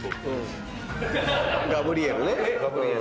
ガブリエルね。